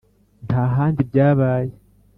Nta handi byabaye.